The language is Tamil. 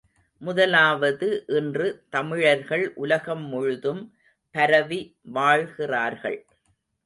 முதலாவது இன்று தமிழர்கள் உலகம் முழுதும் பரவி வாழ்கிறார்கள்.